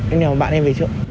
em đèo bạn em về trước